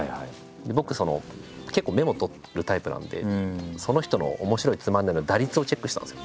僕結構メモを取るタイプなんでその人の面白いつまんないの打率をチェックしたんですよ。